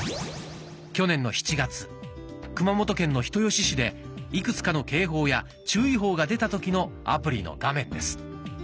去年の７月熊本県の人吉市でいくつかの警報や注意報が出た時のアプリの画面です。